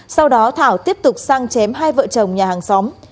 sau đó thảo tiếp tục sang chém hai vợ chồng nhà hàng xóm